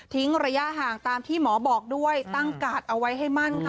ระยะห่างตามที่หมอบอกด้วยตั้งกาดเอาไว้ให้มั่นค่ะ